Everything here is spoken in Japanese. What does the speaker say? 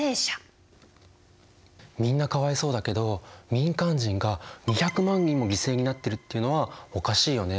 みんなかわいそうだけど民間人が２００万人も犠牲になってるっていうのはおかしいよね。